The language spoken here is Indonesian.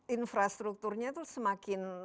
infrastrukturnya itu semakin